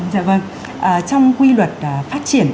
dạ vâng trong quy luật phát triển